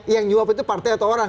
yang nyuap itu partai atau orang